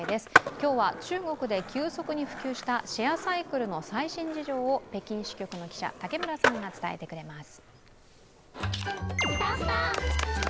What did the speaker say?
今日は中国で急速に普及したシェアサイクルの最新事情を北京支局の記者、竹村さんが伝えてくれます。